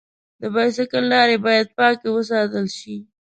د بایسکل لارې باید پاکې وساتل شي.